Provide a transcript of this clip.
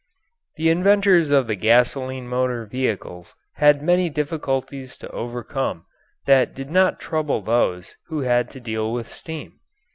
The inventors of the gasoline motor vehicles had many difficulties to overcome that did not trouble those who had to deal with steam.